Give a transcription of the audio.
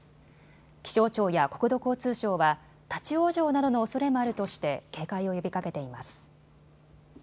気象庁や国土交通省は立往生などのおそれもあるとして警戒を呼びかけています。